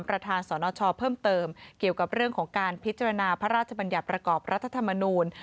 ประธานสนชเพิ่มเติมเกี่ยวกับเรื่องของการพิจารณาพระราชบัญญัติประกอบรัฐธรรมนูล